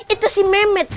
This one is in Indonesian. itu si mehmet